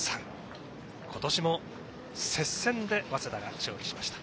今年も接戦で早稲田が勝利しました。